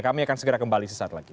kami akan segera kembali